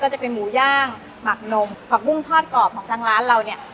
จะเป็นหมูย่างหมักนมผักบุ้งทอดกรอบของทางร้านเราเนี่ย